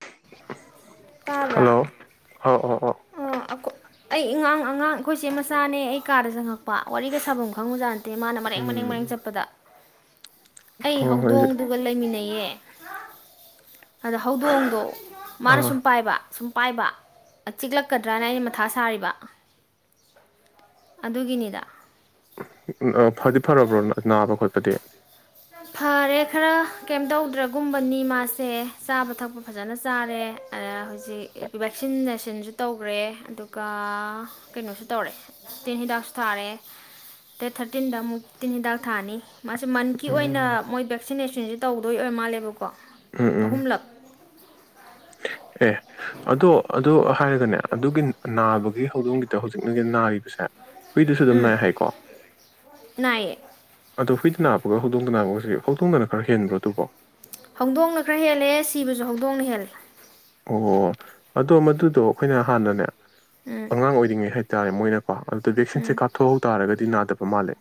[unintelligible] ꯇꯥꯕ꯭ꯔꯥ ꯍꯜꯂꯣ ꯑ ꯑ ꯑ ꯑꯩ ꯑꯉꯥꯡ ꯑꯉꯥꯡ ꯑꯩꯈꯣꯏꯁꯦ ꯃꯆꯥꯅꯦ ꯑꯩ ꯀꯥꯗ ꯆꯪꯉꯛꯄ ꯋꯥꯔꯤꯒ ꯁꯥꯐꯝ ꯈꯪꯕꯖꯥꯠꯅꯤꯁ ꯗꯦ ꯃꯥꯅ ꯃꯦꯛ ꯃꯅꯦꯛ ꯃꯦꯡ ꯎꯝ ꯆꯠꯄꯗ ꯑꯩ ꯍꯣꯏ ꯍꯣꯏ ꯍꯧꯗꯣꯡꯗꯨꯒ ꯂꯩꯃꯤꯟꯅꯩꯌꯦ ꯑꯗ ꯍꯧꯗꯣꯡꯗꯣ ꯃꯥꯅ ꯁꯨꯝ ꯑꯥ ꯄꯥꯏꯕ ꯁꯨꯝ ꯄꯥꯏꯕ ꯆꯤꯛꯂꯛꯀꯗ꯭ꯔꯥꯅ ꯑꯩꯅ ꯃꯊꯥ ꯁꯥꯔꯤꯕ ꯑꯗꯨꯒꯤꯅꯤꯗ ꯎ ꯑꯣ ꯐꯗꯤ ꯐꯔꯕ꯭ꯔꯣ ꯅꯥꯕ ꯈꯣꯠꯄꯗꯤ ꯐꯔꯦ ꯈꯔ ꯀꯩꯝ ꯇꯧꯗ꯭ꯔꯒꯨꯝꯕꯅꯤ ꯃꯥꯁꯦ ꯆꯥꯕ ꯊꯛꯄ ꯐꯖꯅ ꯆꯥꯔꯦ ꯑꯗ ꯍꯧꯖꯤꯛ ꯁꯤ ꯇꯤꯟꯁꯨ ꯇꯧꯈ꯭ꯔꯦ ꯑꯗꯨꯒ ꯀꯩꯅꯣꯁꯨ ꯇꯧꯔꯦ ꯇꯤꯟ ꯍꯤꯗꯥꯛꯁꯨ ꯊꯥꯔꯦ ꯗꯦꯠ ꯊꯥꯔꯇꯤꯟꯗ ꯑꯃꯨꯛ ꯇꯤꯟ ꯍꯤꯗꯥꯛ ꯊꯥꯅꯤ ꯃꯥꯁꯤ ꯃꯟ ꯀ ꯑꯣꯏꯅ ꯎꯝ ꯃꯣꯏ ꯚꯦꯛꯁꯤꯅꯦꯁꯟ ꯇꯧꯗ ꯃꯥꯜꯂꯦꯕꯀꯣ ꯎꯝ ꯎꯝ ꯑꯍꯨꯝꯂꯛ ꯑꯦ ꯑꯗꯣ ꯑꯗꯨ ꯍꯥꯏꯔꯒꯅꯦ ꯑꯗꯨꯒꯤ ꯅꯥꯕꯒꯤ ꯍꯧꯗꯣꯡꯒꯤꯗ ꯍꯧꯖꯤꯛꯅꯒꯤ ꯅꯥꯔꯤꯕꯁꯦ ꯍꯨꯏꯗꯨꯁꯨ ꯑꯗꯨꯝ ꯎꯝ ꯅꯥꯏ ꯍꯥꯏꯀꯣ ꯅꯥꯏꯌꯦ ꯑꯣ ꯍꯨꯏ ꯁꯤ ꯅꯅꯥꯞꯄꯒ ꯍꯧꯗꯣꯡꯗꯅꯅꯥꯦ ꯍꯧꯗꯣꯡꯗꯅ ꯈꯔ ꯍꯦꯟꯕ꯭ꯔꯣ ꯑꯗꯨꯕꯣ ꯍꯧꯗꯣꯡꯅ ꯈꯔ ꯍꯦꯜꯂꯦ ꯁꯤꯕꯁꯨ ꯍꯧꯗꯣꯡꯅ ꯍꯦꯜꯂꯦ ꯑꯣ ꯑꯗꯣ ꯃꯗꯨꯗꯣ ꯑꯩꯈꯣꯏꯅ ꯍꯥꯟꯅꯅꯦ ꯎꯝ ꯑꯉꯥꯡ ꯑꯣꯏꯔꯤꯉꯩ ꯍꯥꯏ ꯇꯥꯏ ꯃꯣꯏꯅ ꯀꯣ ꯑꯗꯨꯗ ꯚꯦꯛꯁꯤꯟꯁꯦ ꯎꯝ ꯀꯥꯞ ꯊꯣꯛꯍꯧ ꯇꯥꯔꯒꯗꯤ ꯅꯥꯗꯕ ꯇꫭ ꯃꯥꯜꯂꯦ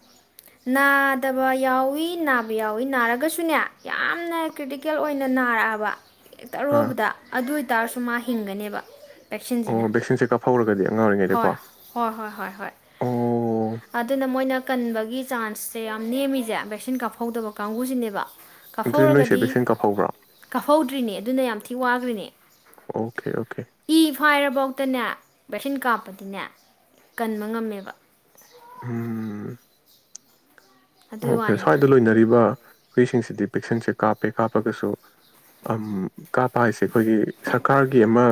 ꯅꯥꯗꯕ ꯌꯥꯎꯏ ꯅꯥꯕ ꯌꯥꯎꯏ ꯅꯥꯔꯒꯁꯨꯅꯦ ꯌꯥꯝꯅ ꯀ꯭ꯔꯤꯇꯤꯀꯦꯜ ꯑꯣꯏꯅ ꯅꯥꯔꯛꯑꯕ ꯍ ꯡꯦꯛꯇ ꯑꯥ ꯑꯔꯣꯕꯗ ꯑꯗꯨ ꯇꯥꯔꯁꯨ ꯃꯥ ꯍꯤꯡꯒꯅꯦꯕ ꯚꯦꯛꯁꯤꯟꯁꯤꯅ ꯑꯣ ꯚꯦꯛꯁꯤꯟꯁꯦ ꯀꯥꯞꯍꯧꯔꯒꯗꯤ ꯑꯉꯥꯡ ꯑꯣꯏꯔꯤꯉꯩꯗꯀꯣ ꯍꯣꯏ ꯍꯣꯏ ꯍꯣꯏ ꯍꯣꯏ ꯑꯣ ꯑꯗꯨꯅ ꯃꯣꯏꯅ ꯀꯟꯕꯒꯤ ꯆꯥꯟꯁꯁꯦ ꯌꯥꯝ ꯅꯦꯝꯃꯤꯁꯦ ꯚꯦꯛꯁꯤꯟ ꯀꯥꯞꯍꯧꯗꯕ ꯀꯥꯡꯕꯨꯁꯤꯅꯦꯕ ꯑꯗꯨꯗꯤ ꯅꯣꯏꯁꯦ ꯀꯥꯐꯧꯔꯒꯗꯤ ꯚꯦꯛꯁꯤꯟ ꯀꯥꯞꯍꯧꯕ꯭ꯔꯣ ꯀꯥꯐꯧꯗ꯭ꯔꯤꯅꯦ ꯑꯗꯨꯅ ꯌꯥꯝ ꯊꯤ ꯋꯥꯗꫭꯏꯅꯦ ꯑꯣꯀꯦ ꯑꯣꯀꯦ ꯏ ꯐꯥꯏꯔꯕꯧꯇꯅꯦ ꯚꯦꯛꯁꯤꯟ ꯀꯥꯞꯄꯗꯤꯅꯦ ꯀꯟꯕ ꯉꯝꯃꯦꯕ ꯎꯝ ꯑꯗꯨꯒꯤ ꯑꯣꯀꯦ ꯋꯥꯅꯤꯗ ꯁ꯭ꯋꯥꯏꯗ ꯂꯣꯏꯅꯔꯤꯕ ꯍꯨꯏꯁꯤꯡꯁꯤꯗꯤ ꯚꯦꯛꯁꯤꯟꯁꯦ ꯀꯥꯞꯄꯦ ꯀꯥꯞꯄꯒꯁꯨ ꯑꯝ ꯀꯥꯞꯄ ꯍꯥꯏꯁꯦ ꯑꯩꯈꯣꯏꯒꯤ ꯁꯔꯀꯥꯔꯒꯤ ꯑꯃ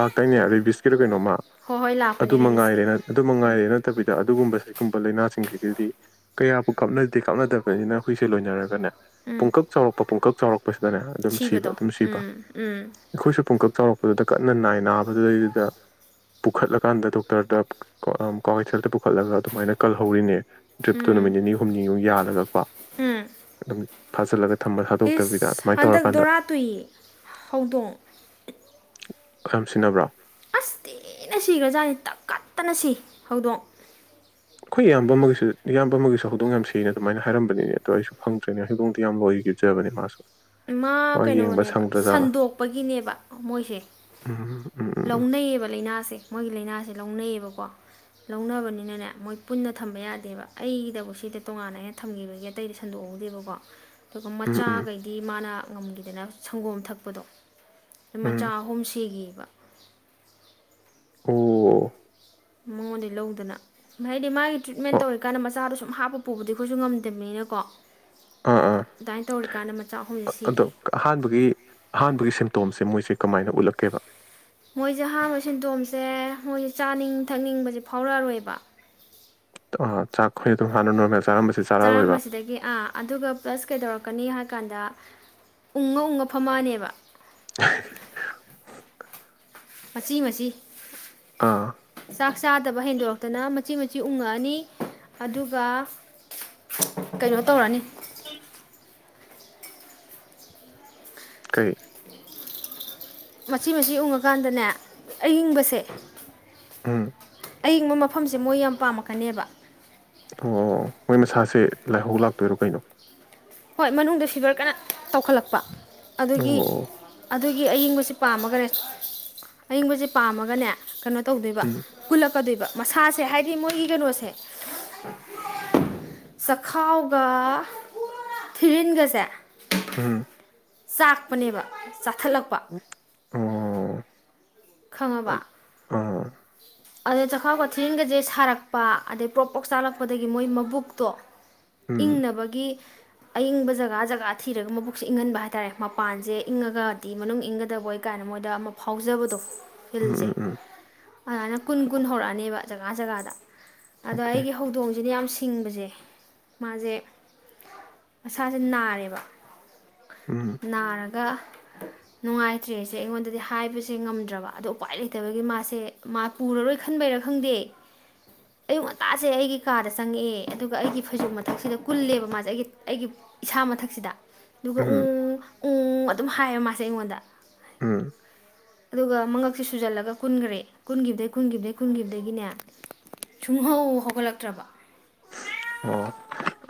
ꯂꯥꯛꯇꯥꯏꯅꯦ ꯔꯦꯕꯤꯁꯀꯤꯔꯥ ꯀꯩꯅꯣꯝꯃ ꯍꯣꯏ ꯍꯣꯏ ꯂꯥꯛꯄꯅꯦ ꯑꯗꯨ ꯔꯦꯕꯤꯁꯀꯤ ꯃꯉꯥꯏꯔꯦ ꯅ ꯑꯗꯨ ꯎꯝ ꯃꯉꯥꯏꯔꯦ ꯅꯠꯇꯕꯤꯗ ꯑꯗꯨꯒꯨꯝꯕ ꯁꯤꯒꯨꯝꯕ ꯂꯩꯥꯏꯅꯥꯁꯤꯡꯁꯤꯒꯤꯗꯤ ꯀꯌꯥꯕꯨ ꯀꯥꯞꯅꯗꯦ ꯀꯥꯞꯅꯗꯕꯩꯅꯤꯅ ꯍꯨꯏꯁꯦ ꯂꯣꯏꯅꯔꯒꯅꯦ ꯎꯝ ꯄꯨꯡꯀꯛ ꯆꯥꯎꯔꯛꯄ ꯄꯨꯡꯀꯛ ꯆꯥꯎꯔꯛꯄꯁꯤꯗꯅꯦ ꯑꯗꯨꯝ ꯁꯤꯕ ꯁꯤꯕꯗꯣ ꯑꯗꯨꯝ ꯁꯤꯕ ꯎꯝ ꯎꯝ ꯑꯩꯈꯣꯏꯁꯨ ꯄꯨꯡꯀꯛ ꯆꯥꯎꯔꯛꯄꯗꯨꯗ ꯀꯟꯅ ꯅꯥꯏ ꯅꯥꯕꯗꯨꯗꯩꯗꯨꯗ ꯄꯨꯈꯠꯂꯀꯥꯟꯗ ꯗꯣꯛꯇꯔꯗ ꯄꯨ ꯀ ꯀ꯭ꯋꯥ ꯀꯩꯊꯦꯜꯗ ꯄꯨꯈꯠꯂꯒ ꯑꯗꯨꯃꯥꯏꯅ ꯀꯜꯍꯧꯔꯤꯅꯦ ꯑꯗꯨ ꯅꯨꯃꯤꯠ ꯎꯝ ꯅꯤꯅꯤ ꯍꯨꯝꯅꯤꯃꯨꯛ ꯌꯥꯜꯂꯒꯀꯣ ꯎꯝ ꯑꯗꯨ ꯐꯥꯖꯜꯂꯒ ꯏꯁ ꯍꯟꯗꯛ ꯗꯣꯔꯥ ꯇꯨꯏ ꯍꯧꯗꯣꯡ ꯈꯌꯥꯝ ꯁꯤꯅꯕ꯭ꯔꯣ ꯑꯁ ꯊꯤꯅ ꯁꯤꯒ꯭ꯔꯖꯥꯅꯤ ꯇꯛ ꯈꯠꯇꯅ ꯁꯤ ꯍꯧꯗꯣꯡ ꯑꯩꯈꯣꯏ ꯏꯌꯥꯝꯕ ꯑꯃꯒꯤꯁꯨ ꯏꯌꯥꯝꯕ ꯑꯃꯒꯤꯁꯨ ꯍꯧꯗꯣꯡ ꯌꯥꯝ ꯁꯤꯅ ꯑꯗꯨꯃꯥꯏꯅ ꯍꯥꯏꯔꯝꯕꯅꯤꯅꯦ ꯑꯗꯣ ꯑꯩꯁꯨ ꯈꯪꯗ꯭ꯔꯦꯅꯦ ꯍꯧꯗꯣꯡꯇꯤ ꯌꯥꯝ ꯂꯣꯏꯒꯖꯕꯅꯦ ꯃꯥꯁꯨ ꯃꯥ ꯌꯦꯡꯕ ꯀꯩꯅꯣꯅꯦꯕ ꯁꯪꯗ꯭ꯔꯖꯥꯠꯂꯥ ꯁꯟꯗꯣꯛꯄꯒꯤꯅꯦꯕ ꯃꯣꯏꯁꯦ ꯎꯝ ꯎꯝ ꯎꯝ ꯂꯧꯅꯩꯌꯦꯕ ꯂꯩꯅꯥꯁꯦ ꯃꯣꯏꯒꯤ ꯂꯩꯅꯥꯁꯦ ꯂꯧꯅꯩꯌꯦꯕꯀꯣ ꯂꯧꯅꯕꯅꯤꯅꯅꯦ ꯃꯣꯏ ꯄꯨꯟꯅ ꯊꯝꯕ ꯌꯥꯗꯦꯕ ꯑꯩꯒꯤꯗꯕꯨ ꯁꯤꯗ ꯇꯣꯉꯥꯟꯅ ꯑꯩꯅ ꯊꯝꯈꯤꯕꯒꯤ ꯑꯇꯩꯗꯤ ꯁꯟꯗꯣꯛꯍꯧꯗꯦꯕꯀꯣ ꯑꯗꯨꯒ ꯎꯝ ꯎꯝ ꯃꯆꯥꯒꯩ ꯃꯥꯅ ꯉꯝꯒꯤꯗꯅ ꯁꯪꯒꯣꯝ ꯊꯛꯄꯗꯣ ꯎꯝ ꯃꯆꯥ ꯑꯍꯨꯝ ꯁꯤ ꯘꯤ ꯕ ꯑꯣ ꯃꯉꯣꯟꯗꯩ ꯂꯧꯗꯅ ꯍꯥꯏꯗꯤ ꯃꯥꯒꯤ ꯇ꯭ꯔꯤꯠꯃꯦꯟ ꯑꯣ ꯇꯧꯔꯤꯀꯥꯟꯗ ꯃꯆꯥꯗꯣ ꯁꯨꯝ ꯍꯥꯞꯄ ꯄꯨꯕꯨꯗꯤ ꯑꯩꯈꯣꯏꯁꯨ ꯉꯝꯗꯕꯅꯤꯅꯀꯣ ꯑꯥ ꯑꯥ ꯑꯗꯨꯃꯥꯏꯅ ꯇꯧꯔꯤꯀꯥꯟꯗ ꯃꯆꯥ ꯑꯍꯨꯝꯁꯦ ꯑꯗꯣ ꯁꯤꯈꯤ ꯑꯍꯥꯟꯕꯒꯤ ꯑꯍꯥꯟꯕꯒꯤ ꯁꯤꯝꯇꯣꯝꯁꯦ ꯃꯣꯏ ꯁꯦ ꯀꯃꯥꯏꯅ ꯎꯠꯂꯛꯀꯦꯕ ꯃꯣꯏꯁꯦ ꯍꯥꯡꯕ ꯁꯤꯟꯗꯣꯝꯁꯦ ꯃꯣꯏꯁꯦ ꯆꯥꯅꯤꯡ ꯊꯛꯅꯤꯡꯕꯁꯦ ꯐꯥꯎꯔꯛꯑꯔꯣꯏꯕ ꯑ ꯆꯥꯛꯈꯣꯏ ꯑꯗꯨ ꯍꯥꯟꯅꯅꯒꯁ ꯆꯥꯔꯝꯕꯁꯤꯗꯒꯤ ꯑꯥ ꯑꯗꯨꯒ ꯄ꯭ꯂꯁ ꯀꯩꯗꯧꯔꯛꯀꯅꯤ ꯍꯥꯏ ꯀꯥꯟꯗ ꯎꯪꯉ ꯎꯪꯉ ꯐꯝꯃꯅꯦꯕ ꯎ ꯎ ꯃꯆꯤ ꯃꯆꯤ ꯑꯥ ꯆꯥꯛ ꯆꯥꯗꯕ ꯍꯦꯟꯗꯣꯔꯛꯇꯅ ꯃꯆꯤ ꯃꯆꯤ ꯎꯪꯉꯛꯑꯅꯤ ꯑꯗꯨꯒ ꯀꯩꯅꯣ ꯇꯧꯔꯅꯤ ꯀꯩ ꯃꯆꯤ ꯃꯆꯤ ꯎꯪꯉꯀꯥꯟꯗꯅꯦ ꯑꯌꯤꯡꯕꯁꯦ ꯎꯝ ꯑꯌꯤꯡꯕ ꯃꯐꯝꯁꯦ ꯃꯣꯏ ꯌꯥꯝ ꯄꯥꯝꯃꯛꯀꯅꯦꯕ ꯑꯣ ꯃꯣꯏ ꯃꯁꯥꯁꯦ ꯂꯥꯏꯍꯧ ꯂꯥꯛꯇꯣꯏꯔꯣ ꯀꯩꯅꯣ ꯍꯣꯏ ꯃꯅꯨꯡꯗ ꯐꯤꯚꯔ ꯀꯟꯅ ꯇꯧꯈꯠꯂꯛꯄ ꯑꯗꯨꯒꯤ ꯑꯣ ꯑꯗꯨꯒꯤ ꯑꯏꯤꯡꯕꯕꯁꯤ ꯁꯤ ꯄꯥꯝꯃꯒꯅꯦ ꯑꯌꯤꯡꯕꯁꯤꯦ ꯄꯥꯝꯃꯒꯅꯦ ꯀꯩꯅꯣ ꯇꯧꯗꯣꯏꯕ ꯎꯝ ꯀꯜꯂꯛꯀꯗꯣꯏꯕ ꯃꯁꯥꯁꯦ ꯍꯥꯏꯗꯤ ꯃꯣꯏꯒꯤ ꯀꯩꯅꯣꯁꯦ ꯆꯈꯥꯎꯒ ꯊꯤꯔꯤꯟꯒꯁꯦ ꯎꯝ ꯆꯥꯛꯄꯅꯦꯕ ꯆꯥꯈꯠꯂꯛꯄ ꯑ ꯑꯗ ꯆꯈꯥꯎ ꯀꯊꯦꯜꯒꯁꯦ ꯁꯥꯔꯛꯄ ꯑꯗꯩ ꯄ꯭ꯔꯞ ꯄꯣꯛ ꯆꯥꯂꯛꯄꯗꯒꯤ ꯃꯣꯏ ꯃꯕꯨꯛꯇꯣ ꯎꯝ ꯏꯪꯅꯕꯒꯤ ꯑꯏꯪꯕ ꯖꯒꯥ ꯖꯒꯥ ꯊꯤꯔꯒ ꯃꯕꯨꯛꯁꯦ ꯏꯪꯍꯟꯕ ꯍꯥꯏꯇꯥꯔꯦ ꯃꯄꯥꯟꯁꯦ ꯏꯪꯉꯒꯗꯤ ꯃꯅꯨꯡ ꯏꯪꯒꯗꯕꯣꯏ ꯀꯥꯏꯅ ꯃꯣꯏꯗ ꯑꯃ ꯐꯥꯎꯖꯕꯗꯣ ꯎꯝ ꯐꯜꯖꯦ ꯎꯝ ꯎꯝ ꯑꯅ ꯀꯨꯟ ꯍꯧꯔꯛꯑꯅꯦꯕ ꯖꯒꯥ ꯖꯒꯥꯗ ꯑꯗꯣ ꯑꯣꯀꯦ ꯑꯩꯒꯤ ꯍꯧꯗꯣꯡꯁꯤꯅ ꯌꯥꯝ ꯁꯤ ꯤꯡꯕꯁꯦ ꯃꯥꯁꯦ ꯃꯁꯥꯁꯦ ꯅꯥꯔꯦꯕ ꯎꯝ ꯅꯥꯔꯒ ꯅꯨꯡꯉꯥꯏꯇ꯭ꯔꯦꯁꯦ ꯑꯩꯉꯣꯟꯗꯗꯤ ꯍꯥꯏꯕꯁꯦ ꯉꯝꯗ꯭ꯔꯕ ꯑꯗꯣ ꯎꯋꯥꯏ ꯂꯩꯇꯕꯒꯤ ꯃꯥꯁꯦ ꯃꯥ ꯄꯨꯔꯔꯣꯏ ꯈꯟꯕꯩꯔꯥ ꯈꯪꯗꯦ ꯑꯌꯨꯛ ꯉꯟꯇꯥꯁꯦ ꯑꯩꯒꯤ ꯀꯥꯗ ꯆꯪꯉꯛꯑꯦ ꯑꯗꯨꯒ ꯑꯩꯒꯤ ꯐꯩꯖꯣꯝ ꯃꯊꯛꯁꯤꯗ ꯀꯨꯜꯂꯦꯕ ꯃꯥꯁꯦ ꯑꯩꯒꯤ ꯑꯩꯒꯤ ꯏꯁꯥ ꯃꯊꯛꯁꯤꯗ ꯑꯗꯨꯒ ꯎ ꯎꯝ ꯎ ꯑꯗꯨꯝ ꯍꯥꯏꯌꯦ ꯃꯥꯁꯦ ꯑꯩꯉꯣꯟꯗ ꯑꯝ ꯑꯗꯨꯒ ꯃꯉꯛꯁꯤ ꯁꯨꯖꯜꯂꯒ ꯀꯨꯟꯈ꯭ꯔꯦ ꯀꯨꯟꯈꯤꯕꯗꯩ ꯀꯨꯟꯈꯤꯕꯗꯒꯤꯩ ꯀꯨꯟꯈꯤꯕꯗꯒꯤꯅꯦ ꯁꯨꯡꯍꯧ ꯍꯧꯒꯠꯂꯛꯇ꯭ꯔꯕ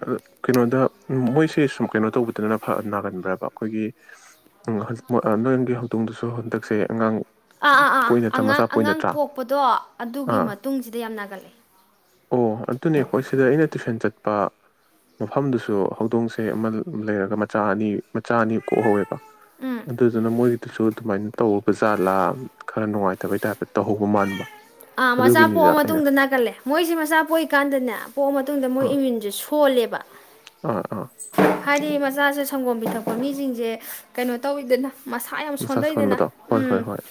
ꯑ ꯀꯩꯅꯣꯗ ꯃꯣꯏꯁꯦ ꯁꯨꯝ ꯀꯩꯅꯣ ꯇꯧꯕꯗꯅ ꯅꯥꯒꯟꯕ꯭ꯔꯕ ꯑꯩꯈꯣꯏꯒꯤ ꯅꯣꯏꯒꯤ ꯍꯧꯗꯣꯡꯗꯁꯨ ꯍꯟꯗꯛꯁꯦ ꯑꯉꯥꯡ ꯑꯥ ꯑꯥ ꯑꯥ ꯄꯣꯛꯏ ꯅꯠꯇ꯭ꯔꯥ ꯃꯆꯥ ꯑꯉꯥꯡ ꯄꯣꯛꯏ ꯑꯉꯥꯡ ꯅꯠꯇ꯭ꯔꯥ ꯄꯣꯛꯄꯗꯣ ꯑꯗꯨꯒꯤ ꯑꯥ ꯃꯇꯨꯡꯁꯤꯗ ꯌꯥꯝ ꯅꯥꯒꯠꯂꯦ ꯇ ꯃꯐꯝꯗꯨꯁꯨ ꯍꯧꯗꯣꯡꯁꯦ ꯑꯃ ꯂꯩꯔꯒ ꯃꯆꯥ ꯑꯅꯤ ꯃꯆꯥ ꯑꯅꯤ ꯀꯣꯛꯍꯧꯋꯦꯕ ꯎꯝ ꯑꯗꯨꯗꯨꯅ ꯃꯣꯏꯒꯤꯗꯨꯁꯨ ꯑꯗꯨꯃꯥꯏꯅ ꯇꯧ ꯄꯨ ꯖꯥꯠꯂꯥ ꯈꯔ ꯅꯨꯡꯉꯥꯏꯇꯕꯩ ꯇꯥꯏꯞꯇ ꯇꯧꯍꯧꯕ ꯃꯥꯟꯕ ꯑꯥ ꯃꯆꯥ ꯄꯣꯛꯑ ꯑꯗꯨꯒꯤꯅꯤꯗ ꯑꯩꯅ ꯃꯇꯨꯡꯗ ꯅꯥꯀꯜꯂꯦ ꯃꯣꯏꯁꯤꯦ ꯃꯆꯥ ꯄꯣꯛꯏꯀꯥꯟꯗꯅꯦ ꯄꯣꯛꯑ ꯃꯇꯨꯡꯗ ꯃꯣꯏ ꯑꯥ ꯏꯃ꯭ꯌꯨꯟꯁꯦ ꯁ ꯍꯣꯜꯂꯦꯕ ꯑꯥ ꯑꯥ ꯍꯥꯏꯗꯤ ꯃꯆꯥꯁꯦ ꯁꯪꯒꯣꯝ ꯄꯤ ꯊꯛꯄ ꯃꯤꯁꯤꯡꯁꯦ ꯀꯩꯅꯣ ꯇꯧꯋꯤꯗꯅ ꯃꯁꯥ ꯌꯥꯝ ꯁꯣꯟꯊꯩꯗꯅ ꯁꯣꯟꯕꯗꯣ ꯍꯣꯏ ꯍꯣꯏ ꯎꯝ ꯍꯣꯏ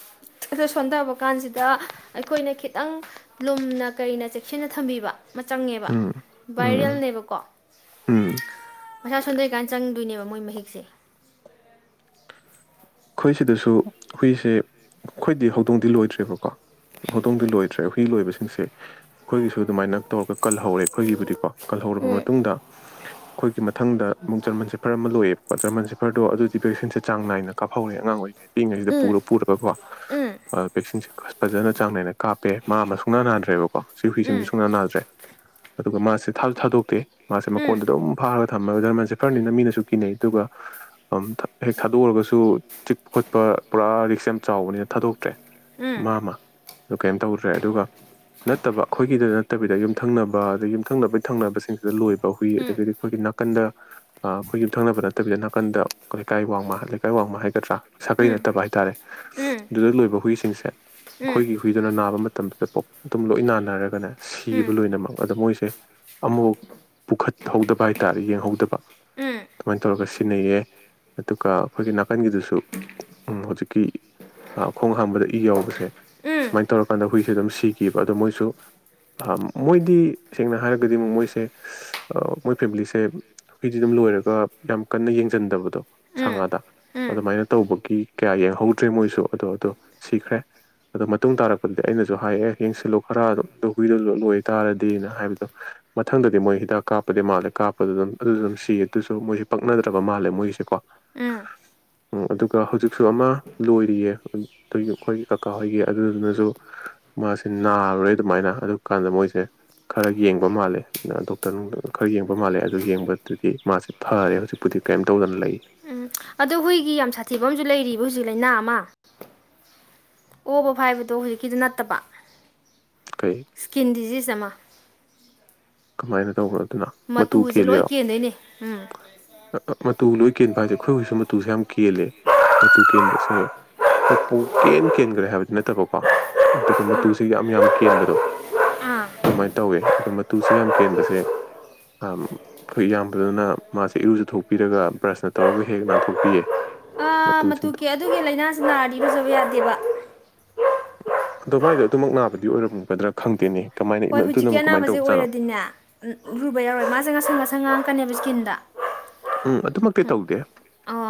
ꯑꯗꯨ ꯁꯣꯟꯊꯕ ꯀꯥꯟꯁꯤꯗ ꯈꯤꯇꯪ ꯂꯨꯝꯅ ꯀꯅ ꯆꯦꯛꯁꯤꯟꯅ ꯊꯝꯕꯤꯕ ꯃ ꯆꯪꯉꯦꯕ ꯎꯝ ꯎꯝ ꯎꯝ ꯚꯥꯏꯔꯦꯜꯅꯦꯕꯀꯣ ꯎꯝ ꯃꯁꯥ ꯁꯣꯟꯊꯩꯀꯥꯟ ꯆꯪꯗꯣꯏꯅꯦꯕ ꯃꯣꯏ ꯃꯍꯤꯛꯁꯦ ꯑꯩꯈꯣꯏ ꯁꯤꯗꯁꯨ ꯍꯨꯏꯁꯦ ꯑꯩꯈꯣꯏꯗꯤ ꯍꯧꯗꯣꯡꯗꯤ ꯂꯣꯏꯗ꯭ꯔꯦꯕꯀꯣ ꯍꯧꯗꯣꯡꯗꯤ ꯂꯣꯏꯗ꯭ꯔꯦ ꯍꯨꯏ ꯂꯣꯏꯕꯁꯤꯡꯁꯦ ꯑꯩꯈꯣꯏꯒꯤꯁꯨ ꯑꯗꯨꯃꯥꯏꯅ ꯇꯧꯔꯒ ꯀꯜꯍꯧꯔꯦ ꯑꯩꯈꯣꯏꯒꯤꯕꯨꯗꯤꯀꯣ ꯀꯜꯍꯧꯔꯕ ꯎꯝ ꯃꯇꯨꯡꯗ ꯑꯩꯈꯣꯏꯒꯤ ꯃꯊꯪꯗꯨꯛ ꯖꯔꯃꯟ ꯁꯤꯐꯔ ꯑꯃ ꯂꯣꯏꯌꯦꯕꯀ ꯖꯔꯃꯟ ꯁꯤꯐꯔꯗꯣ ꯑꯗꯨꯗꯤ ꯕꯦꯛꯁꯤꯟꯁꯦ ꯆꯥꯡ ꯅꯥꯏꯅ ꯀꯥꯍꯧꯔꯦ ꯑꯉꯥꯡ ꯑꯣꯏꯔꯤꯩ ꯏꯛꯉꯩꯁꯤꯗ ꯎꯝ ꯄꯨꯔ ꯄꯨꯔꯒꯀꯣ ꯎꯝ ꯚꯦꯛꯁꯤꯟꯁꯦ ꯐꯖꯅ ꯆꯥꯡ ꯅꯥꯏꯅ ꯀꯥꯞꯄꯦ ꯃꯥ ꯑꯃ ꯁꯨꯡꯅꯥ ꯅꯥꯗ꯭ꯔꯦꯕꯀꯣ ꯁꯤ ꯍꯨꯏꯁꯤꯁ ꯎꯝ ꯁꯨꯅꯥ ꯅꯥꯗ꯭ꯔꯦ ꯑꯗꯨꯒ ꯃꯥꯁꯦ ꯊꯥ ꯊꯥꯗꯣꯛꯇꯦ ꯃꯥꯁꯦ ꯎꯝ ꯃꯈꯀꯣꯟꯗ ꯑꯗꯨꯝ ꯐꯥꯔꯦ ꯊꯝꯃꯒ ꯙꯔꯃꯟꯁꯦ ꯐꯔꯅꯤꯅ ꯃꯤꯅꯁꯨ ꯀꯤꯅꯩ ꯑꯗꯨꯒ ꯍꯦꯛ ꯊꯥꯗꯣꯛꯎꯔꯒꯁꯨ ꯇꯨ ꯆꯤꯛꯄ ꯈꯣꯠꯄ ꯄꯨꯔꯥ ꯔꯤꯛꯁ ꯌꯥꯝ ꯆꯥꯎꯕꯅꯤꯅ ꯊꯥꯗꯣꯛꯇ꯭ꯔꯦ ꯎꯝ ꯃꯥ ꯑꯃ ꯑꯗꯨ ꯀꯩꯝ ꯇꯧꯗ꯭ꯔꯦ ꯑꯗꯨꯒ ꯅꯠꯇꯕ ꯑꯩꯈꯣꯏꯒꯤꯗ ꯅꯠꯇꯕꯤꯗ ꯌꯨꯝꯊꯪꯅꯕ ꯑꯗꯩ ꯌꯨꯝꯊꯪꯅꯕꯩ ꯊꯪꯅꯕꯁꯤꯡꯁꯤꯗ ꯂꯣꯏꯕ ꯍꯨꯏ ꯑꯗꯒꯤꯗꯤ ꯑꯩꯈꯣꯏꯒꯤ ꯅꯥꯀꯟꯗ ꯑꯩꯈꯣꯏ ꯌꯨꯝꯊꯪꯅꯕ ꯅꯠꯇꯕꯤꯗ ꯅꯥꯀꯟꯗ ꯂꯩꯀꯥꯏ ꯋꯥꯡꯃꯥꯀ ꯀꯥꯏ ꯋꯥꯡꯃ ꯍꯥꯏꯒꯗ꯭ꯔꯥ ꯁꯥꯒꯩ ꯅꯠꯇꯕ ꯍꯥꯏꯇꯥꯔꯦ ꯑꯗꯨꯗ ꯂꯣꯏꯕ ꯍꯨꯏꯁꯤꯡꯁꯦ ꯑꯩꯈꯣꯏꯒꯤ ꯍꯨꯏꯗꯨꯅ ꯅꯥꯕ ꯃꯇꯝꯗꯨꯗ ꯄ ꯑꯗꯨꯝ ꯂꯣꯏ ꯅꯥꯟꯅꯔꯒꯅꯦ ꯁꯤꯕ ꯂꯣꯏꯅꯃꯛ ꯑꯗꯣ ꯃꯣꯏꯁꯦ ꯑꯃꯐ ꯄꯨꯈꯠꯍꯧꯗꯕ ꯍꯥꯏꯇꯥꯔꯦ ꯌꯦꯡꯍꯧꯗꯕ ꯑꯗꯨꯃꯥꯏꯅ ꯇꯧꯔꯒ ꯁꯤꯟꯅꯩꯌꯦ ꯑꯗꯨꯒ ꯑꯩꯈꯣꯏꯒꯤ ꯅꯥꯀꯟꯒꯤꯗꯨꯁꯨ ꯍꯧꯖꯤꯛꯀꯤ ꯈꯣꯡ ꯍꯥꯝꯕꯗ ꯏ ꯌꯥꯎꯕꯁꯦ ꯁꯨꯃꯥꯏꯅ ꯇꯧꯔꯀꯥꯟꯗ ꯍꯨꯏꯁꯦ ꯑꯗꯨꯝ ꯁꯤꯑꯈꯤꯕ ꯑꯗꯣ ꯃꯣꯏꯁꯨ ꯃꯣꯏꯗꯤ ꯁꯦꯡꯅ ꯍꯥꯏꯔꯒꯗꯤ ꯑꯃꯨꯛ ꯃꯣꯏꯁꯦ ꯃꯣꯏ ꯐꯦꯃꯤꯂꯤꯁꯦ ꯍꯨꯏꯗꯤ ꯑꯗꯨꯝ ꯂꯣꯏꯔꯒ ꯌꯥꯝ ꯀꯟꯅ ꯌꯦꯡꯁꯤꯟꯗꯕꯗꯣ ꯁꯉꯗ ꯑꯗꯨꯃꯥꯏꯅ ꯇꯧꯕꯒ ꯀꯤ ꯀꯌꯥ ꯌꯦꯡꯍꯧꯗ꯭ꯔꯦ ꯃꯣꯏꯁꯨ ꯑꯗꯣ ꯑꯗꯣ ꯁꯤꯈ꯭ꯔꯦ ꯑꯗꯣ ꯃꯇꯨꯡ ꯇꯥꯔꯛꯄꯗꯗꯤ ꯑꯩꯅꯁꯨ ꯍꯥꯏ ꯑꯦ ꯌꯦꯡꯁꯤꯜꯂꯨ ꯈꯔ ꯨ ꯍꯨꯗꯨ ꯂꯣꯏ ꯇꯥꯔꯗꯤꯅ ꯍꯥꯏꯕꯗꯣ ꯃꯊꯪꯗꯗꯤ ꯃꯣꯏ ꯍꯤꯗꯥꯛ ꯀꯥꯞꯄꯗꯤ ꯃꯥꯜꯂꯦ ꯀꯥꯞꯄꯗ ꯑꯗꯨꯝ ꯑꯗꯨ ꯑꯗꯨꯝ ꯁꯤ ꯑꯗꯨꯁꯨ ꯃꯣꯏꯁꯦ ꯄꯛꯅꯗ꯭ꯔꯕ ꯃꯥꯜꯂꯦ ꯃꯣꯏꯒꯤꯁꯦꯀꯣ ꯎꯝ ꯑꯣ ꯑꯗꯨꯒ ꯍꯧꯖꯤꯛꯁꯨ ꯑꯃ ꯂꯣꯏꯔꯤꯌꯦ ꯒꯤ ꯑꯩꯈꯣꯏꯒꯤ ꯀꯥ ꯀꯧꯍꯣꯏꯒꯤ ꯑꯗꯨꯗꯨꯅꯁꯨ ꯃꯥꯁꯦ ꯅꯥꯔꯔꯣꯏ ꯑꯗꯨꯃꯥꯏꯅ ꯑꯗꯨ ꯀꯥꯟꯗ ꯃꯣꯏꯁꯦ ꯈꯔ ꯌꯦꯡꯕ ꯃꯥꯜꯂꯦ ꯗꯣꯛꯇꯔꯅꯨꯡ ꯈꯔ ꯌꯦꯡꯕ ꯃꯥꯜꯂꯦ ꯑꯗꯨ ꯌꯦꯡꯕꯗꯨꯗꯤ ꯃꯥꯁꯦ ꯐꯔꯦ ꯍꯧꯖꯤꯛꯄꯨꯗꯤ ꯀꯔꯤꯝ ꯇꯧꯗꯅ ꯂꯩ ꯎꯝ ꯑꯗꯣ ꯍꯨꯏꯒꯤ ꯌꯥꯝ ꯁꯥꯊꯤꯕ ꯑꯃꯁꯝꯨ ꯂꯩꯔꯤꯕ ꯍꯧꯖꯤꯛ ꯂꯥꯏꯅꯥ ꯑꯃ ꯑꯣ ꯕꯚꯥꯏ ꯍꯥꯏꯕꯗꯣ ꯍꯧꯖꯤꯛꯀꯤꯗꯨ ꯅꯠꯇꯕ ꯀꯩ ꯏꯁꯀꯤꯟ ꯗꯤꯖꯤꯖ ꯑꯃ ꯀꯃꯥꯏꯅ ꯇꯧꯕꯈ꯭ꯔꯒꯣ ꯃꯇꯨꯁꯦ ꯂꯣꯏ ꯀꯦꯟꯗꯣꯏꯅꯦ ꯎꯝ ꯑ- ꯑ- ꯃꯇꯨ ꯂꯣꯏ ꯀꯦꯟꯕ ꯍꯥꯏꯁꯦ ꯑꯩꯈꯣꯏ ꯍꯧꯖꯤꯛꯁꯨ ꯃꯇꯨꯁꯦ ꯌꯥꯝ ꯀꯦꯜꯂꯦ ꯃꯇꯨ ꯀꯦꯟꯕꯁꯦ ꯍꯣꯏ ꯄꯨꯡ ꯀꯦꯟ ꯀꯦꯟꯈ꯭ꯔꯦ ꯍꯥꯏꯕꯗꯤ ꯅꯠꯇꯕꯀꯣ ꯑꯗꯨꯒ ꯃꯇꯨꯁꯦ ꯌꯥꯝ ꯌꯥꯝ ꯀꯦꯟꯕꯗꯣ ꯑꯥ ꯑꯗꯨꯃꯥꯏꯅ ꯇꯧꯋꯦ ꯑꯗꯨ ꯇꯨꯁꯦ ꯌꯥꯝ ꯀꯦꯟꯕꯁꯦ ꯑꯩꯈꯣꯏ ꯏꯌꯥꯝꯕꯗꯨꯅ ꯃꯥꯁꯦ ꯏꯔꯨꯁꯨ ꯊꯣꯛꯄꯤꯔꯒ ꯕ꯭ꯔꯁꯅ ꯇꯧꯔꯒ ꯍꯦꯛ ꯅꯥꯟꯊꯣꯛꯄꯤꯌꯦ ꯑꯥ ꯃꯇꯨ ꯃꯇꯨꯁꯤꯡꯗꯣ ꯀꯦ ꯑꯗꯨꯒꯤ ꯂꯥꯏꯅꯥꯁꯤ ꯅꯥꯔꯗꯤ ꯐꯖꯕ ꯌꯥꯗꯦꯕ ꯑꯗꯣ ꯃꯥꯏꯗꯣ ꯑꯗꯨꯃꯛ ꯅꯥꯕꯗꯤ ꯑꯣꯏꯔꯝꯒꯗ꯭ꯔꯥ ꯈꯪꯗꯦꯅꯦ ꯀꯃꯥꯏꯅ ꯑꯗꯨꯅꯨ ꯀꯃꯥꯏ ꯇꯧꯕꯥꯠꯅꯣ ꯂꯨꯕ ꯌꯥꯣꯏ ꯃꯖ ꯁꯝꯕ ꯁꯦ ꯉꯥꯡꯀꯅꯦꯕ ꯏꯁꯀꯤꯟꯗ ꯎꯝ ꯑꯗꯨꯃꯛꯇꯤ ꯇꯧꯗꯦ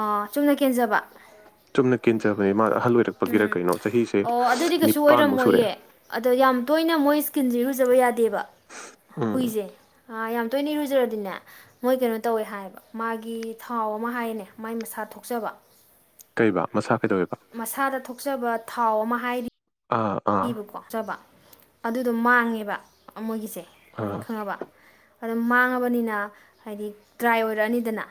ꯑꯣ ꯆꯨꯝꯅ ꯀꯦꯟꯖꯕ ꯀꯤꯟꯟꯕꯅꯤ ꯃꯥ ꯑꯍꯜ ꯑꯣꯏꯔꯛꯄꯒꯤꯔ ꯎꯝ ꯀꯩꯅꯣ ꯆꯍꯤꯁꯦ ꯑꯣ ꯑꯗꯨꯗꯤ ꯀꯩꯁꯨ ꯅꯤꯄꯥꯟꯃꯨꯛ ꯁꯨꯔꯛꯑꯦ ꯑꯣꯏꯔꯝꯃꯣꯏꯌꯦ ꯑꯗꯣ ꯌꯥꯝ ꯇꯣꯏꯅ ꯃꯣꯏ ꯏꯁꯀꯤꯟꯁꯦ ꯔꯨꯖꯕ ꯌꯥꯗꯦꯕ ꯎꯝ ꯍꯨꯏꯁꯦ ꯌꯥꯝ ꯇꯣꯏꯅꯤꯔꯨꯖꯔꯗꯤꯅꯦ ꯃꯣꯏ ꯀꯩꯅꯣ ꯇꯧꯋꯦ ꯍꯥꯏꯕ ꯃꯥꯒꯤ ꯊꯥꯎ ꯑꯃ ꯍꯥꯏꯌꯦꯅꯦ ꯃꯥꯏ ꯃꯁꯥ ꯊꯣꯛꯆꯕ ꯑꯣꯏꯕ ꯃꯁꯥ ꯀꯩꯗꯧꯋꯦꯕ ꯃꯁꯥꯗ ꯊꯣꯛꯆꯕ ꯊꯥꯎꯑꯣ ꯑꯃ ꯍꯥꯏꯔꯤ ꯑꯥ ꯑꯥ ꯄꯕꯀꯣ ꯆꯥꯕ ꯑꯗꯨꯗꯣ ꯃꯥꯡꯉꯦꯕ ꯃꯣꯏꯒꯤꯁꯦ ꯑꯥ ꯑꯗꯨꯝ ꯃꯥꯡꯉꯕꯅꯤꯅ ꯍꯥꯏꯗꯤ ꯗ꯭ꯔꯥꯏ ꯑꯣꯏꯔꯛꯑꯅꯤꯗꯅ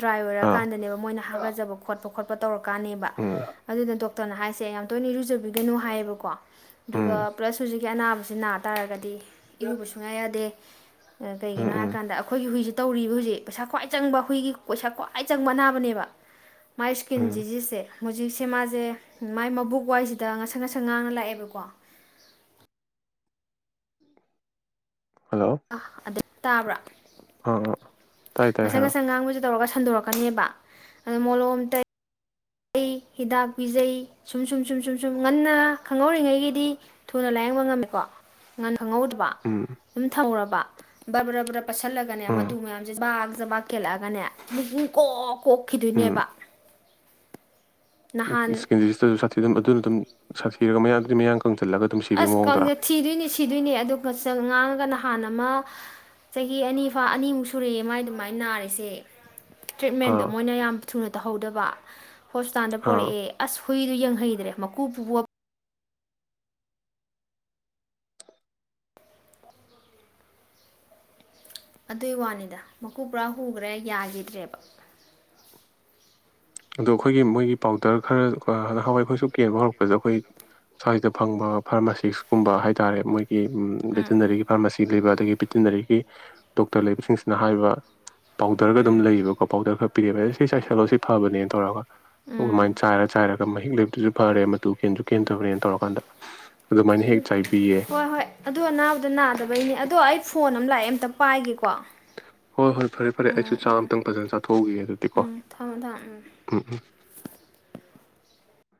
ꯗ꯭ꯔꯥꯏ ꯑꯥ ꯑꯣꯏꯔꯀꯥꯟꯗꯅꯦꯕ ꯃꯣꯏꯅ ꯍꯥꯒꯠꯆ ꯈꯣꯠꯄ ꯈꯣꯠꯄꯧꯔꯛ ꯀꯥꯅꯦꯕ ꯎꯝ ꯑꯗꯨꯅ ꯇꯅ ꯍꯥꯏꯁꯦ ꯌꯥꯝ ꯇꯣꯏꯅꯔꯨꯖꯕꯤ ꯀꯩꯅꯣ ꯍꯥꯏꯌꯦꯕꯀꯣ ꯑꯗꯨꯒ ꯎꯝ ꯄ꯭ꯂꯁ ꯍꯧꯨꯖꯤꯛꯀꯤ ꯑꯅꯥꯕꯁꯤ ꯅꯥ ꯇꯥꯔꯒꯗꯤ ꯏꯔꯨꯕ ꯁꯨꯡꯌꯥꯥꯏ ꯌꯥꯗꯦ ꯎꯝ ꯀꯩꯒꯤꯅꯣ ꯎꯝ ꯍꯥꯏꯔꯀꯥꯟꯗ ꯑꯩꯈꯣꯏꯒꯤ ꯍꯨꯏꯁꯤ ꯇꯧꯔꯤꯕ ꯍꯧꯖꯤꯛ ꯄꯩꯁꯥ ꯈ꯭ꯋꯥꯏ ꯆꯪꯕ ꯍꯈꯣꯏꯒꯤ ꯄꯩꯁꯥ ꯈ꯭ꯋꯥꯏ ꯆꯪꯕ ꯑꯅꯥꯕꯅꯦꯕ ꯃꯥꯏ ꯏꯁ꯭ꯀꯤꯟ ꯎꯝ ꯖꯤꯖꯤꯁꯁꯦ ꯍꯧꯖꯤꯛꯁꯦ ꯃꯥꯁꯦ ꯃꯥꯏ ꯃꯕꯨꯛ ꯋꯥꯏꯁꯤꯗ ꯉꯁꯥ ꯉꯁꯪ ꯉꯥꯡꯅ ꯂꯥꯛꯑꯦꯕꯀꯣ ꯀ ꯑ ꯑꯗ ꯇꯥꯕ꯭ꯔꯥ ꯑ ꯑ ꯑꯁꯪ ꯉꯁ ꯉꯥꯡ ꯃ ꯇꯧꯔꯒ ꯁꯟꯗꯣꯔꯛꯀꯅꯦꯕ ꯑꯗꯣ ꯃꯣꯂꯣꯝꯇ ꯄꯖꯩ ꯍꯤꯗꯥꯛ ꯄꯤꯖꯩ ꯁꯨꯝ ꯁꯨꯝ ꯁꯨꯝ ꯁꯨꯝ ꯁꯨꯝ ꯉꯟꯅ ꯈꯪꯍꯧꯔꯤꯉꯩꯒꯤꯗꯤ ꯊꯨꯅ ꯂꯥꯏꯌꯦꯡꯕ ꯉꯝꯃꯦꯀꯣ ꯉ ꯈꯪꯍꯧꯗꯕ ꯎꯝ ꯑꯗꯨꯝ ꯊꯧꯔꯕ ꯔꯕꯔꯕꯔ ꯄꯠꯁꯜꯂꯒꯅꯦ ꯃꯇꯨ ꯎꯝ ꯃꯌꯥꯝꯁꯦ ꯃ ꯀꯦꯜꯂꯛꯑꯒꯅꯦ ꯃꯛꯨꯡ ꯀꯣꯛ ꯎꯝ ꯀꯣꯛꯈꯤꯗꯣꯏꯅꯦꯕ ꯅꯍꯥꯟ ꯏꯁꯀꯤꯟ ꯗꯤꯖꯤꯁꯇꯁꯨ ꯁꯥꯊꯤ ꯑꯗꯨꯝ ꯑꯗꯨꯅ ꯑꯗꯨꯝ ꯁꯥꯊꯤꯔꯒ ꯃꯌꯥꯗꯨꯗꯤ ꯃꯌꯥꯡ ꯀꯪꯁꯤꯜꯂꯒ ꯑꯗꯨꯝ ꯁꯤꯕꯒꯤ ꯑꯁ ꯃꯑꯣꯡꯗꯔꯥ ꯀꯪꯦ ꯊꯤꯗꯣꯏꯅꯤ ꯁꯤꯗꯣꯏꯅꯦ ꯑꯗꯨꯣ ꯉꯥꯡꯉꯒ ꯅꯍꯥꯟ ꯑꯃ ꯆꯍꯤ ꯑꯅꯤꯐꯥ ꯑꯅꯤꯃꯨꯛ ꯁꯨꯔꯛꯑꯦ ꯃꯥꯏ ꯑꯗꯨꯃꯥꯏꯅ ꯅꯥꯔꯤꯁꯦ ꯇ꯭ꯔꯤꯠꯃꯦꯟꯗ ꯑꯥ ꯃꯣꯏꯅ ꯌꯥꯝ ꯊꯨꯅ ꯇꯧꯍꯧꯗꯕ ꯍꯣꯁꯄꯤꯇꯥꯜꯗ ꯑꯥ ꯄꯣꯔꯛꯑꯦ ꯑꯁ ꯍꯨꯏꯗꯨ ꯌꯦꯡꯍꯩꯗ꯭ꯔꯦ ꯃꯀꯨ ꯄꯨꯕ ꯑꯗꯨꯏ ꯋꯥꯅꯤꯗ ꯃꯀꯨ ꯄꯨꯔꯥ ꯍꯨꯈ꯭ꯔꯦ ꯌꯥꯈꯤꯗ꯭ꯔꯦꯕ ꯑꯗꯣ ꯑꯩꯈꯣꯏꯒꯤ ꯃꯣꯏꯒꯤ ꯄꯥꯎꯗꯔ ꯈꯔ ꯍꯋꯥꯏ ꯑꯩꯈꯣꯏꯁꯨ ꯀꯦꯟꯕ ꯍꯧꯔꯛꯄꯗ ꯑꯩꯈꯣꯏ ꯁ꯭ꯋꯥꯏꯁꯤꯗ ꯐꯪꯕ ꯐꯥꯔꯃꯥꯁꯤꯁꯀꯨꯝꯕ ꯍꯥꯏ ꯇꯥꯔꯦ ꯃꯣꯏꯒꯤ ꯎꯝ ꯕꯦꯇꯤꯅꯔꯤꯒꯤ ꯐꯥꯔꯃꯥꯁꯤ ꯂꯩꯕ ꯑꯗꯒꯤ ꯚꯦꯇꯤꯅꯔꯤꯒꯤ ꯗꯣꯛꯇꯔ ꯂꯩꯕꯁꯤꯡꯁꯤꯅ ꯍꯥꯏꯕ ꯄꯥꯎꯗꯔꯒ ꯑꯗꯨꯝ ꯎꯝ ꯂꯩꯌꯦꯕꯀꯣ ꯄꯥꯎꯗꯔ ꯈꯔ ꯄꯤꯔꯑꯕ ꯑꯗꯣ ꯁꯤ ꯆꯥꯏꯁꯜꯂꯣ ꯁꯤ ꯐꯕꯅꯦꯅ ꯇꯧꯔꯒ ꯑꯗꯨꯃꯥꯏꯅ ꯎꯝ ꯆꯥꯏꯔ ꯆꯥꯏꯔꯒ ꯃꯍꯤꯛ ꯂꯩꯕꯇꯁꯨ ꯐꯔꯦ ꯇꯨ ꯀꯦꯟꯗ꯭ꯔ ꯀꯦꯟꯗ꯭ꯔꯕꯅꯦꯅ ꯇꯧꯔꯀꯥꯟꯗ ꯑꯗꯨꯃꯥꯏꯅ ꯎ ꯍꯦꯛ ꯆꯥꯏꯕꯤꯌꯦ ꯍꯣꯏ ꯍꯣꯏ ꯑꯗꯨ ꯑꯅꯥꯕꯗꯣ ꯅꯥꯗꯕꯩꯅꯤ ꯑꯗꯣ ꯑꯩ ꯐꯣꯟ ꯂꯥꯛꯑꯦ ꯑꯃꯝꯇ ꯄꯥꯏꯒꯦꯀꯣ ꯍꯣꯏ ꯍꯣꯏ ꯐꯔꯦ ꯐꯔꯦ ꯎꯝ ꯑꯩꯁꯨ ꯆꯥꯛ ꯎꯝ ꯑꯇꯪ ꯐꯖꯅ ꯆꯥꯊꯣꯛꯍꯎꯧꯒ ꯑꯗꯨꯗꯤꯀꯣ ꯎꯝ ꯊꯝꯃꯣ ꯊꯝꯃꯣ ꯎꯝ ꯎꯝ